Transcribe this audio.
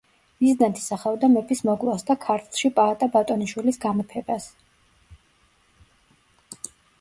მიზნად ისახავდა მეფის მოკვლას და ქართლში პაატა ბატონიშვილის გამეფებას.